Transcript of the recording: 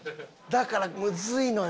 だからむずいのよ。